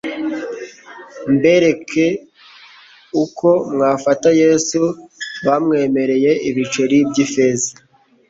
mbereke uko mwafata yesu bamwemereye ibiceri by ifeza